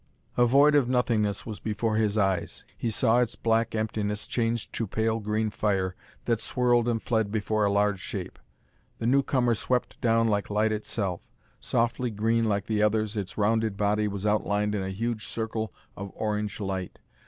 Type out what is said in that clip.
A void of nothingness was before his eyes. He saw its black emptiness change to pale green fire that swirled and fled before a large shape. The newcomer swept down like light itself. Softly green like the others, its rounded body was outlined in a huge circle of orange light.